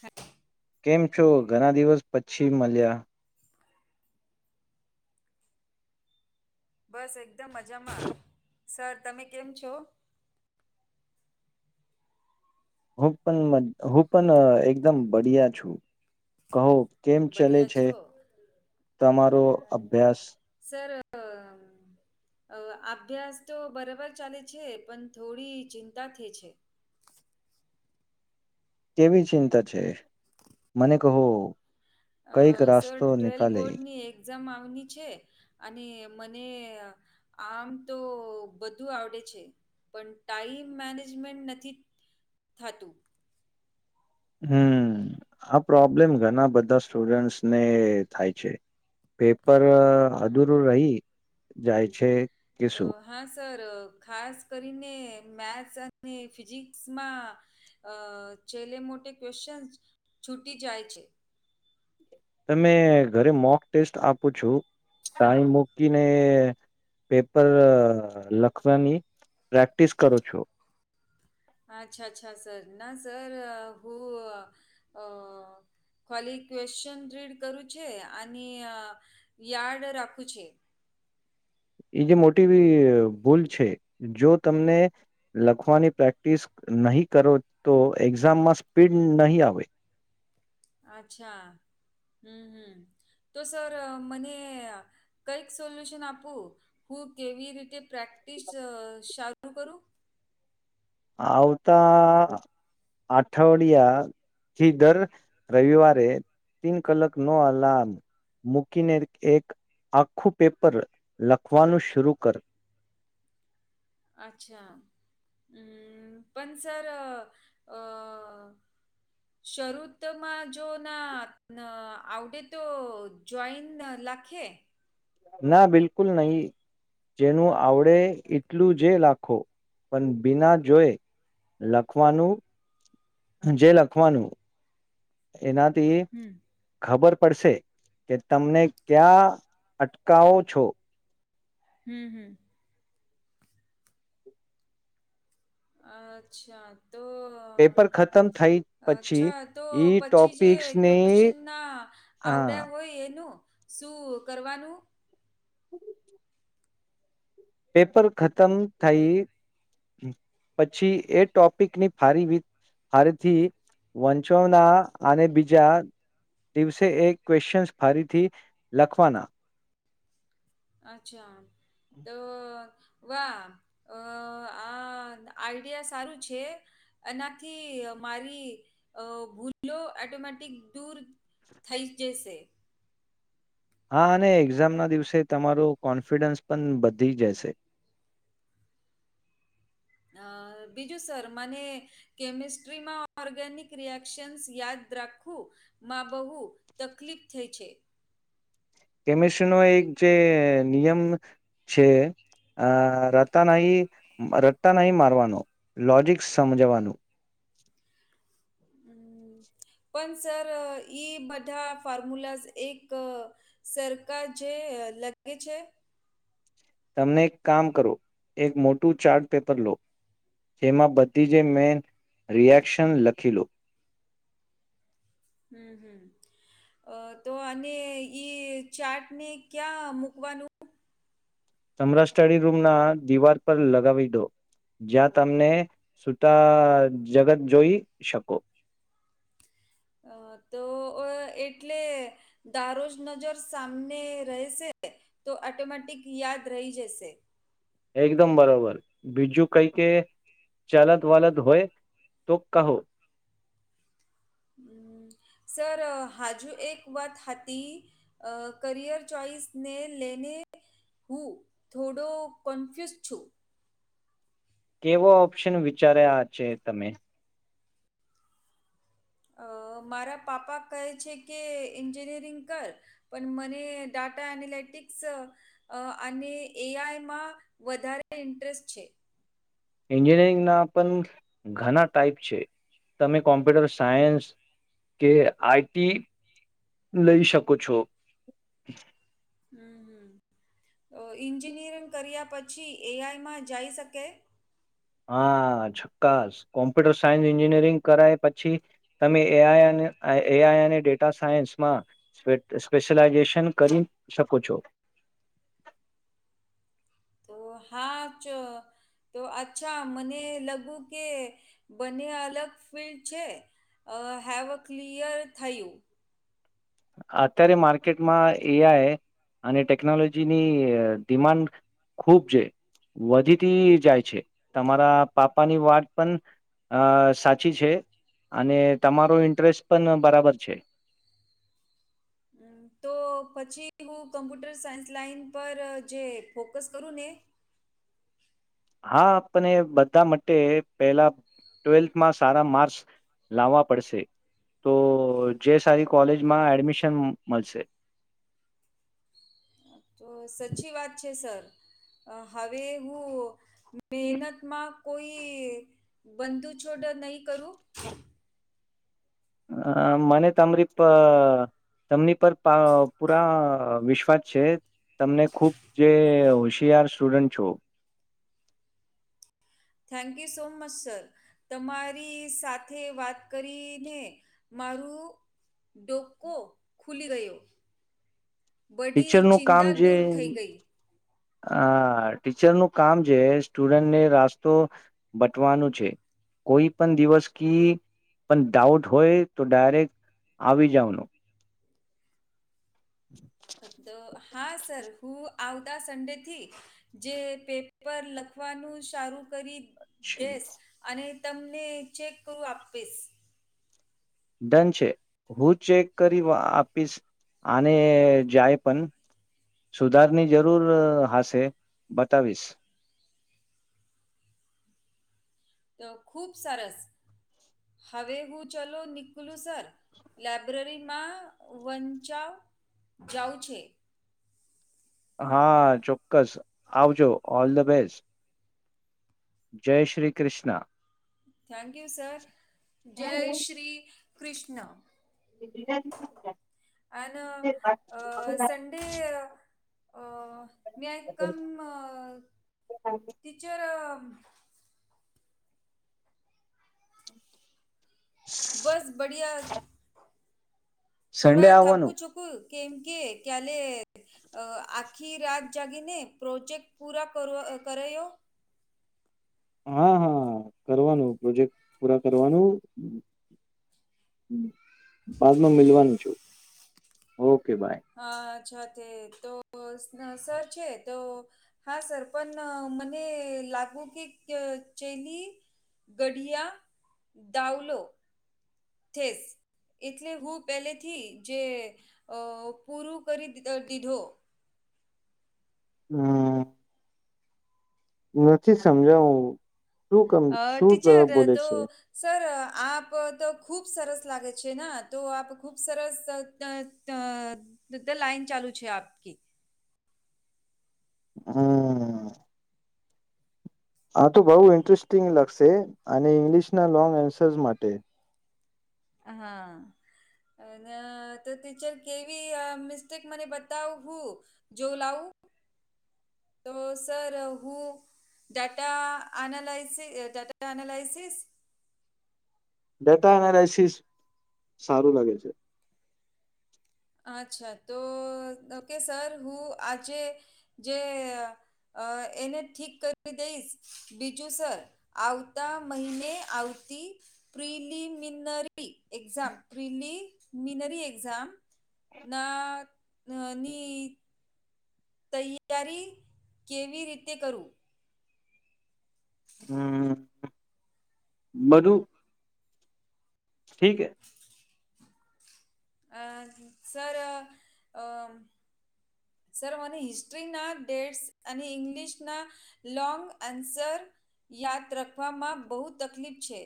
હા કેમ છો ઘણા દિવસ પછી મલ્યા. બસ એકદમ મજામાં સર તમે કેમ છો? હું પણ હું પણ એકદમ બડિયા છું કહો. કેમ ચલે બઢિયા છે છો તમારો અભ્યાસ? સર અ અભ્યાસ તો બરાબર ચાલે છે પણ થોડી ચિંતા થઈ છે. કેવી ચિંતા છે? મને કહો. અ કઈક સર રાસ્તો ટ્વેલ્થ નિકાલે બોર્ડની એક્ઝામ આવની છે અને મને આમ તો બધું આવડે છે પણ ટાઈમ મેનેજમેન્ટ નથી થાતું. હમ આ પ્રોબ્લેમ ઘણા બધા સ્ટુડન્ટસ ને થાય છે. પેપર અધૂરું રહી જાય છે. કે તો શું હા સર ખાસ કરીને મેથ્સ અને ફિઝિક્સમાં અ છેલ્લે મોટે ક્વેશચન છૂટી જાય છે. તમે ઘરે મોક ટેસ્ટ આપું છું ટાઈમ મૂકીને પેપર લખવાની પ્રેક્ટિસ કરો છો. અચ્છા અચ્છા સર ના સર હું અ ખાલી ક્વેશ્ચન રીડ કરું છે અને યાર્ડ રાખું છે. એ જે મોટી એવી ભૂલ છે જો તમને લખવાની પ્રેક્ટિસ નહી કરો તો એક્ઝામમાં સ્પીડ નહીં આવે. અચ્છા હમ હમ તો સર મને કંઈક સોલ્યુશન આપું હું કેવી રીતે પ્રેક્ટિસ શરું કરું? આવતા આઠવડિયા થી દર રવિવારે તીન કલાક નો અલાર્મ મૂકીને એક આખું પેપર લખવાનું શુરુ કર અચ્છા હમ પણ સર અ અ [unintelligible] શરૂતમાં જો ના ન આવડે તો જોઈન લખે ના બિલકુલ નહી. જેનું આવડે એટલું જે લાખો પણ બીના જોએ. લખવાનું જે લખવાનું એનાથી હમ ખબર પડશે કે તમને ક્યાં અટકાવો છો હમ હમ અચ્છા તો હ પેપર ખતમ થઈ પછી અચ્છા તો ઈ પછી જે ટોપિક્સની ક્વેશ્ચન ના હા આવડ્યા હોય એનું શું કરવાનું? [unintelligible] પેપર ખતમ થઈ પછી એ ટોપિકની ફારી ફરેથી વંચાવના અને બીજા દિવસે એ ક્વેશ્ચન ફરીથી લખવાના અચ્છા તો વાહ અ આ આઈડિયા સારું છે એનાથી મારી અ ભૂલો એટોમેટિક દૂર થઈ જશે હા અને એક્ઝામ ના દિવસે તમારોું કોન્ફિડન્સ પણ વધી જશે બીજું સર મને કેમિસ્ટ્રીમાં ઓર્ગેનિક રિએક્શનસ યાદ રાખું માં બહુ તકલીફ થઈ છે કેમિસ્ટ્રી નો એક જે નિયમ છે અ રતા નહી રતા નહી મારવાનો લોજિકસ સમજવાનું પણ સર ઈ બધા ફોર્મુલાઝ એક સરખા જે લગે છે તમને એક કામ કરો એક મોટું ચાર્ટ પેપર લો જેમાં બધી જ મેન રિએક્શન લખી લો હમ હમ અ તો અને ઈ ચાટ ને ક્યાં મૂકવાનું તમારા સ્ટડી રૂમ ના દિવાલ પર લગાવી દો જ્યાં તમને સુૂતા જગત જોઈ શકો અ તો એટલે દારોજ નજર સામને રહેશે તો એટોમેટિક યાદ રહી જશે એકદમ બરોબર બીજું કઈ કે ચાલત વાદ [unintelligible] હોય તો કહો સર હાજુ એક વાત હ હતી અ કરિયર ચોઈસ ને લેને હું થોડો કોન્ફ્યુઝ છું કેવો ઓપ્શન વિચાર્યા છે તમે અ મારા પાપા કહે છે કે એન્જિનિયરિંગ કર પણ મને ડાટા એનાલિટિક્સ અ અને એઆઈ માં વધારે ઇન્ટરેસ્ટ છે એન્જિનિયરિંગના પણ ઘણા ટાઈપ છે તમે કોમ્પ્યુટર સાયન્સ કે આઈટી લઈ શકો છો હમ હમ તો એન્જિનિયરિંગ કર્યા પછી એઆઈમાં જા ઈ શકે હા ચોક્કસ કોમ્પ્યુટર સાયન્સ એન્જિનિયરિંગ કરાય પછી તમે એઆઈ અન એઆઈ અને ડેટા સાયન્સમાં સ્પેશલાેશ કરી શકો છો તો હા ચ તો અચ્છા મને લાગું કે બંને અલગ ફિલ્ડ છે અ હેવ અ ક્લિયર થયું અત્યારે માર્કેટમાં એઆઈ અને ટેકનોલોજીની ડિમાન્ડ ખૂબ છે વધીતી જાય છે તમારા પાપાની વાત પણ અ સાચી છે અને તમારો ઇન્ટરેસ્ટ પણ બરાબર છે હમ તો પછી હું કમ્પ્યુટર સાયન્સ લાાઈન પર જે ફોકસ કરું ને હા આપને બધા માટે પેલા ટ્વેલ્થમાં સારા માર્સ લાવવા પડશે તો જે સારી કોલેજમાં એડમિશન મળશે તો સાચી વાત છે સર હવે હું મહેનત માં કોઈ બંધુછોડ નહીં કરું અ મને તમારી તમની પર પૂરા વિશ્વાસ છે તમને ખુબ જે હોશિયાર સ્ટુડન્ટ છો thank you so much sir તમારી સાથે વાત કરીને મારું ડોકો ખુલી ગયો બડી ટીચરનું ચિંતા દૂર થઈ ગઈ અ ટીચરનું કામ છે, સ્ટુડન્ટને રાસ્તો બટવાનું છે. કોઈ પણ દિવસ કી પણ ડાઉટ હોય તો ડાયરેક્ટ આવી જાવનો તો હા સર હું આવતા સન્ડે થી જે પેપર લખવાનું સારું કરી છે દેસ અને તમને ચેક આપીશ દન છે, હું ચેક કરી આપીશ આને જાય પન સુધારની જરૂર હશે બતાવીશ તો ખુબ સરસ હવે હું ચલો નકલું સર લાયબ્રેરીમાં વંચાવ જાવં છે. હ ચોક્કસ આવજો ઓલ ધ બેસ્ટ જય Shri Krishna. Thank you sir જય શ્રી કૃષ્ણ અને અ સ ડે અ મે આય કમ ટીચર. બસ બઢિયા સન્ડે થોડા થાપુ આવવાનું છુ કેમ કે કયાલે અ આખી રાત જાગીને પ્રોજેક્ટ પૂરા કરો કર્યો હ હ કરવાનું પ્રોજેક્ટ પૂરા કરવાનું બાદમાં મિલવાનું છું ઓકે બાય હ અચ્છા તે તો સર છે, તો હા સર પન મને લાગુ કે ક ચેલી ગઢિયા ડાવલો ઠેસ એટલે હું પહેલેથી જે અ પૂરું કરી દી દીધો હમ. નથી સમજાવું શુંકમ અ શું ત ટીચર બોલે તો છે. સર આપ તો ખૂબ સરસ લાગે છે, ના તો આપ ખૂબ સરસ [unintelligible] લાઈન ચાલુ છે, આપકી હમમ. હા તો બઉ ઇન્ટરેસ્ટિંગ લગશે અને ઈંગ્લિશના લોંગ એન્સર્સ માટે હા. અન તો ટીચર કેવી મિસ્ટેક મને બતાવ હું જો લાવું તો સર હું data analysis data analysis data analysis સારું લાગે છે. અચ્છા તો ઓકે સર હું આજે જે અ એને ઠીક કરી દઈશ બીજું સર આવતા મહિને આવતી પ્રલીમિનરી એક્ઝામ પ્રલીમિનરી એક્ઝામ નાની તૈયારી કેવી રીતે કરું હમ. બધું ઠીકે અ સર અ સર મને હિસ્ટ્રીના ડેટસ અને ઇંગ્લિશના લોંગ આન્સર યાદ રાખવામાં બો તકલીફ છે.